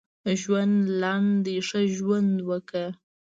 ژوند لنډ دی ښه ژوند وکړه.